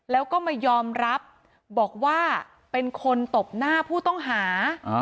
แล้วก็มายอมรับบอกว่าเป็นคนตบหน้าผู้ต้องหา